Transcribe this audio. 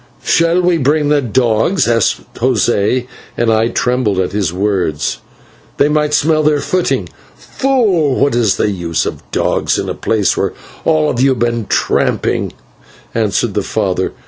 "Shall we bring the dogs?" asked José and I trembled at his words: "they might smell their footing." "Fool, what is the use of dogs in a place where all of you have been tramping?" answered the father.